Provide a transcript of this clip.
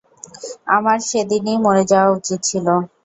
আমার সেদিনই মরে যাওয়া উচিত ছিল।